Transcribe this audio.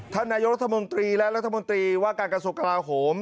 ท่านนายกรัฐมนตรีและรัฐมนตรีว่าการกระทรวงกลาโหม